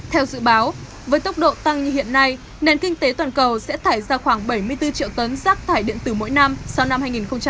theo dự báo với tốc độ tăng như hiện nay nền kinh tế toàn cầu sẽ thải ra khoảng bảy mươi bốn triệu tấn rác thải điện tử mỗi năm sau năm hai nghìn hai mươi